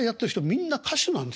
みんな歌手なんですよね。